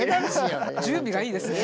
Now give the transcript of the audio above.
準備がいいですね。